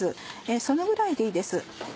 そのぐらいでいいです。